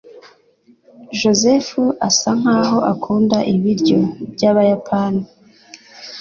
Joseph asa nkaho akunda ibiryo byabayapani.